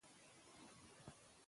ولې ځینې لیکنې بې معنی ښکاري؟